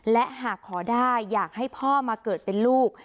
และหากขอได้อยากให้พ่อมาเกิดเป็นลูก